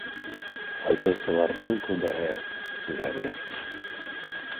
Ҡайтыусыларҙың күбеһе зәғиф.